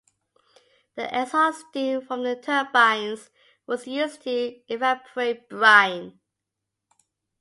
The exhaust steam from the turbines was used to evaporate brine.